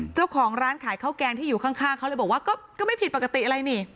เจ้าของร้านขายข้าวแกงที่อยู่ข้างเขาเลยบอกว่าก็ไม่ผิดปกติอะไรนี่